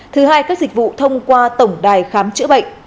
thứ hai các dịch vụ thông qua tổng đài khám chữa bệnh